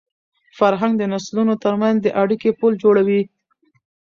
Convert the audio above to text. فرهنګ د نسلونو تر منځ د اړیکي پُل جوړوي.